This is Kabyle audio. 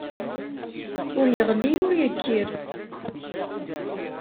Ur yeɣli ur yekkir.